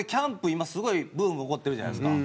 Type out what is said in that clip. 今すごいブーム起こってるじゃないですか。